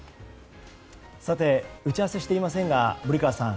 打ち合わせしていませんが森川さん